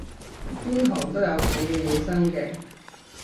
邊行都有佢嘅野心嘅